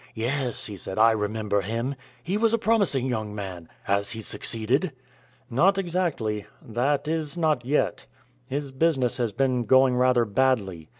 "Yes," he said, "I remember him. He was a promising young man. Has he succeeded?" "Not exactly that is not yet. His business has been going rather badly.